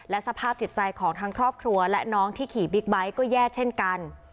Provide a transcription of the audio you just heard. สภาพจิตใจของทั้งครอบครัวและน้องที่ขี่บิ๊กไบท์ก็แย่เช่นกัน